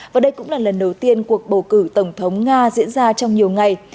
và đây cũng là lần đầu tiên cuộc bầu cử tổng thống nga diễn ra trong nhiều ngày